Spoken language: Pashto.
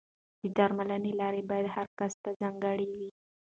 د درملنې لارې باید هر کس ته ځانګړې وي.